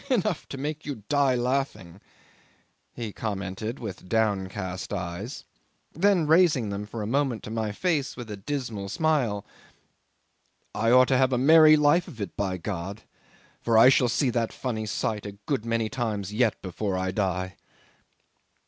... Enough to make you die laughing," he commented with downcast eyes; then raising them for a moment to my face with a dismal smile, "I ought to have a merry life of it, by God! for I shall see that funny sight a good many times yet before I die."